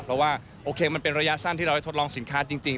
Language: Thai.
เพราะว่าโอเคมันเป็นระยะสั้นที่เราได้ทดลองสินค้าจริง